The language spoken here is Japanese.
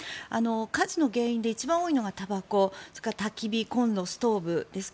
火事の原因で一番多いのがたばこ、たき火、コンロストーブですが